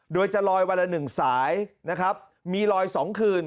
โดยจะลอยวันละ๑สายนะครับมีลอย๒คืน